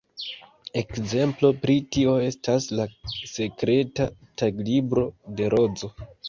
Ekzemplo pri tio estas ""La Sekreta Taglibro de Rozo"".